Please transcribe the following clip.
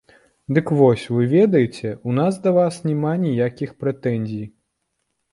Дык вось, вы ведаеце, у нас да вас няма ніякіх прэтэнзій.